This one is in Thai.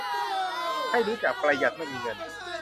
ให้รู้จักประหยัดเมื่อมีเงิน